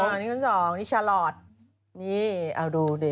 อันนี้คนที่๒นี่ชาลอทนี่เอาดูดิ